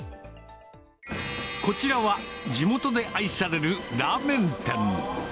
こちらは、地元で愛されるラーメン店。